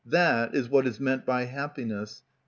... That is what is meant by happiness .